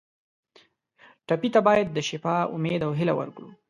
ټپي ته باید د شفا امید او هیله ورکړو.